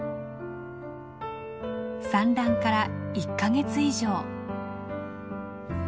産卵から１か月以上。